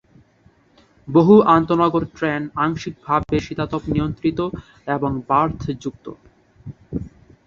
বহু আন্তঃনগর ট্রেন আংশিকভাবে শীতাতপ নিয়ন্ত্রিত এবং বার্থ যুক্ত।